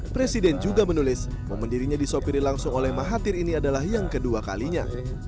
presiden juga menulis momen dirinya disopiri langsung oleh mahathir ini adalah yang kedua kalinya